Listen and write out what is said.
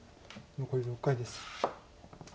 残り６回です。